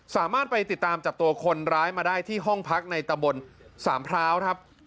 สามารถไปติดตามจับตัวคนร้ายมาได้ที่ห้องพักในตะบนสามพร้าวครับ